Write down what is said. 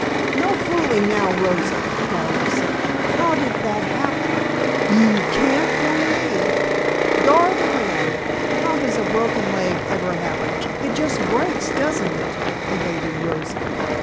"No fooling now, Rosa," Gar was saying, "how did that happen? You can't fool me " "Gar Durand! How does a broken leg ever happen? It just breaks, doesn't it?" evaded Rosa.